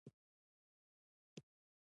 شپږ اوه كوره يې خچ پچ كړي وو.